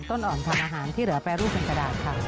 ต้นอ่อนทำอาหารที่เหลือแปรรูปเป็นกระดาษค่ะ